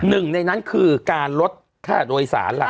หนึ่งในนั้นคือการรถค่าโดยศาล